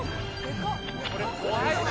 これ怖いな。